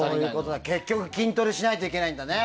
結局筋トレしないといけないんだね。